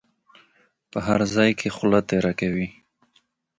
په هر ځای کې خوله تېره کوي.